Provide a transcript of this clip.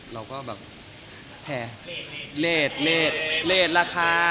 เราก็แบบแพงเหลดราคา